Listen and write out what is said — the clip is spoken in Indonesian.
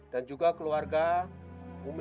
dan juga keluarga umi mada